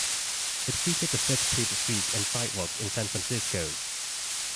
It featured the first paved streets and sidewalks in San Francisco.